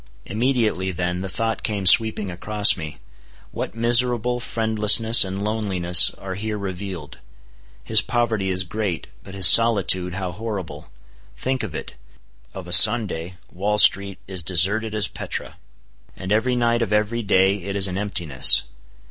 Immediately then the thought came sweeping across me, What miserable friendlessness and loneliness are here revealed! His poverty is great; but his solitude, how horrible! Think of it. Of a Sunday, Wall street is deserted as Petra; and every night of every day it is an emptiness.